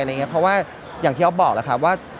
เพราะว่าอย่างที่อ๊อฟบอกแล้วครับว่า